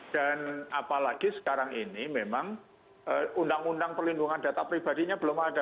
dan apalagi sekarang ini memang undang undang perlindungan data pribadinya belum ada